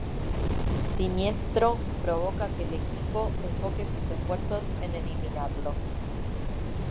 Siniestro, provoca que el equipo enfoque sus esfuerzos en eliminarlo.